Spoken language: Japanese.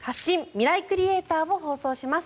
ミライクリエイター」を放送します。